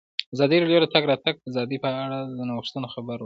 ازادي راډیو د د تګ راتګ ازادي په اړه د نوښتونو خبر ورکړی.